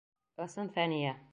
Ысын, Фәниә.